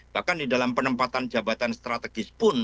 bahkan di dalam penempatan jabatan strategis pun